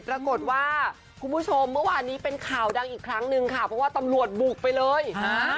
ปรากฏว่าคุณผู้ชมเมื่อวานนี้เป็นข่าวดังอีกครั้งนึงค่ะเพราะว่าตำรวจบุกไปเลยอ่า